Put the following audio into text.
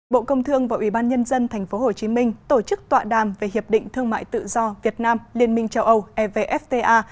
bộ công thương và ubnd tp hcm tổ chức tọa đàm về hiệp định thương mại tự do việt nam liên minh châu âu evfta